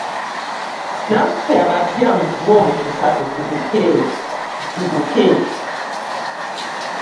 Naffe abapya mutuwe omukisa tukuguke.